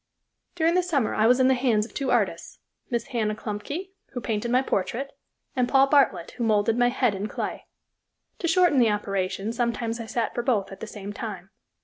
During the summer I was in the hands of two artists, Miss Anna Klumpke, who painted my portrait, and Paul Bartlett, who molded my head in clay. To shorten the operation, sometimes I sat for both at the same time.